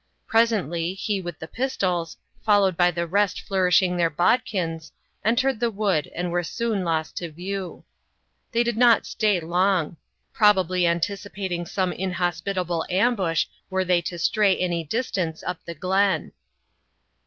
Presently, he with the pistols, followed by the rest flourishing their bodkins, entered the wood and were soon lost to view. They did not stay long; probably anticipating some inhospitable ambush were they to stray any distance up the glen.